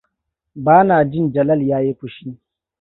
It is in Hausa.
Ba na jin Jalal ya yi fushi.